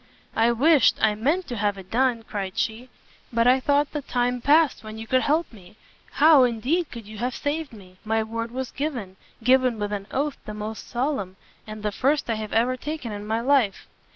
"I wished, I meant to have done it," cried she, "but I thought the time past when you could help me: how, indeed, could you have saved me? my word was given, given with an oath the most solemn, and the first I have ever taken in my life."